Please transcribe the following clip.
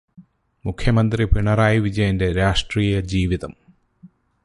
മുഖ്യമന്ത്രി പിണറായി വിജയന്റെ രാഷ്ട്രീയജീവിതം